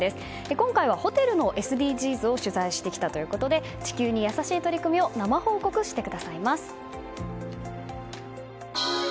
今回はホテルのＳＤＧｓを取材してきたということで地球に優しい取り組みを生報告してくださいます。